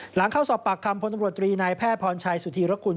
หลังเข้าสอบปากคำพลตำรวจตรีนายแพทย์พรชัยสุธีรกุล